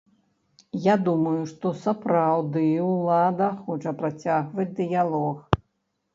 Я думаю, што сапраўды ўлада хоча працягваць дыялог.